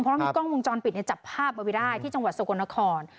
เพราะมีกล้องวงจรปิดในจับภาพเอาไว้ได้ที่จังหวัดสกลนคร